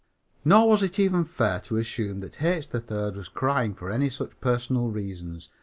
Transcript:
Nor was it even fair to assume that H. 3rd was crying for any such personal reasons.